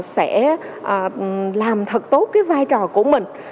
sẽ làm thật tốt cái vai trò của mình